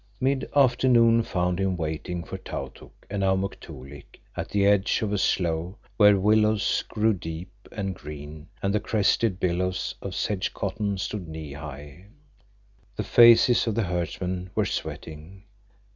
Mid afternoon found him waiting for Tautuk and Amuk Toolik at the edge of a slough where willows grew deep and green and the crested billows of sedge cotton stood knee high. The faces of the herdsmen were sweating.